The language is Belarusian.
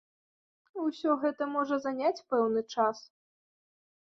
Усё гэта можа заняць пэўны час.